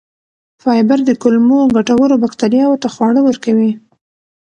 فایبر د کولمو ګټورو بکتریاوو ته خواړه ورکوي.